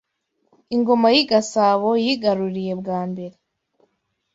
Ingoma y’i Gasabo yigaruriye bwa mbere